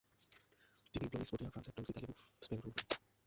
তিনি Blois, Poitiers, ফ্রান্সের Tours, Italy এবং স্পেন ভ্রমণ করেন।